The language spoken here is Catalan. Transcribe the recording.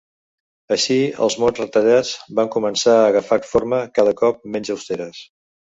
Així, els mots retallats van començar a agafar formes cada cop menys austeres.